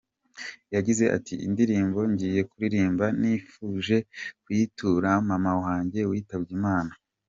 Yagize ati “Indirimbo ngiye kuririmba nifuje kuyitura mama wanjye witabye Imana.